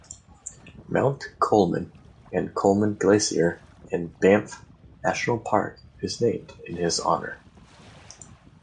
Mount Coleman and Coleman Glacier in Banff National Park is named in his honour.